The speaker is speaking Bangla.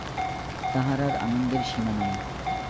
তাহার আর আনন্দের সীমা নাই।